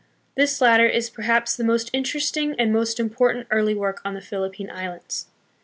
This latter is perhaps the most interesting and most important early work on the Philippine Islands.